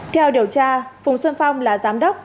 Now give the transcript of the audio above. theo điều tra phùng xuân phong là giám đốc